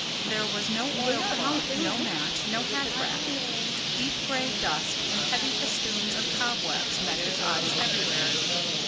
There was no oil cloth, no mat, no hat rack. Deep grey dust and heavy festoons of cobwebs met his eyes everywhere.